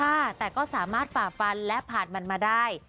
ค่ะแต่ก็สามารถฝ่าฟันและผ่านมันมาได้